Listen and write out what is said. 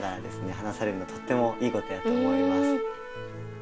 話されるのとってもいいことやと思います。